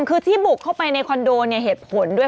คือที่บุกเข้าไปในคอนโดเนี่ยเหตุผลด้วย